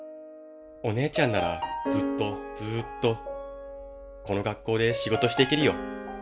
お姉ちゃんならずっとずっとこの学校で仕事していけるよ。